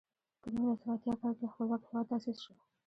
په نولس سوه اتیا کال کې خپلواک هېواد تاسیس شو.